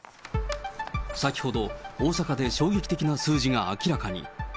先ほど、大阪で衝撃的な数字が明らかに。